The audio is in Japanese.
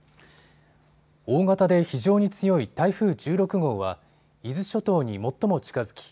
大型で非常に強い台風１６号は伊豆諸島に最も近づき